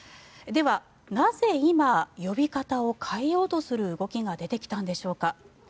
では、なぜ今呼び方を変えようとする動きが出てきたんでしょうか。